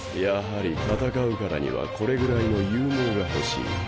やはり戦うからにはこれぐらいの勇猛が欲しい。